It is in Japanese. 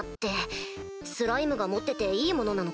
スライムが持ってていいものなのか？